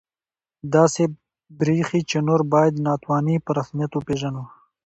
داسې بریښي چې نور باید ناتواني په رسمیت وپېژنو